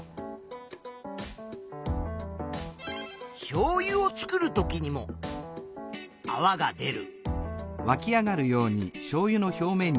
しょうゆを作るときにもあわが出る。